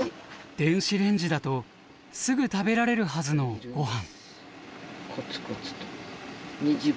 電子レンジだとすぐ食べられるはずのご飯。